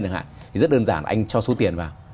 thì rất đơn giản là anh cho số tiền vào